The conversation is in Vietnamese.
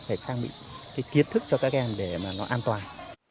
phải trang bị cái kiến thức cho các em để mà nó an toàn